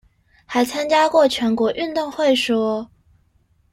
還參加過全國運動會說